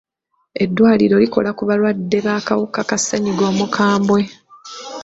Eddwaliro likola ku balwadde b'akawuka ka ssenyigga omukambwe.